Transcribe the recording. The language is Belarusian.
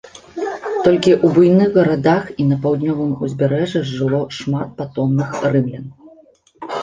Толькі ў буйных гарадах і на паўднёвым узбярэжжы жыло шмат патомных рымлян.